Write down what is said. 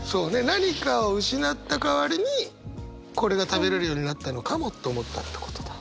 何かを失った代わりにこれが食べれるようになったのかもって思ったってことだ？